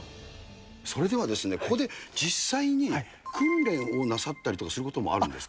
それではここで、実際に訓練をなさったりすることもあるんですか。